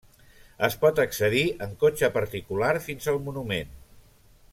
Es pot accedir en cotxe particular fins al monument.